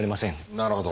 なるほど。